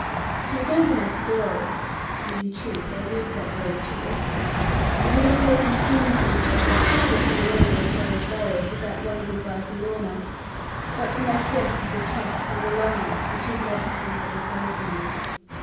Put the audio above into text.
To return to my story (and, in truth, I lose that road too often), it would have taken ten King's messengers to get me away from Plover's Barrows without one goodbye to Lorna, but for my sense of the trust and reliance which His Majesty had reposed in me.